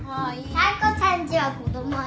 妙子さんちは子供いる？